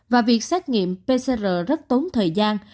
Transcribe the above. và việc xét nghiệm pcr rất tốn thời gian